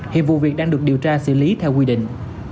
hiện vụ việc đang được điều tra xử lý theo quy định